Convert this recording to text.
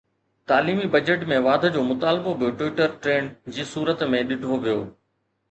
تعليمي بجيٽ ۾ واڌ جو مطالبو به ٽوئيٽر ٽريڊن جي صورت ۾ ڏٺو ويو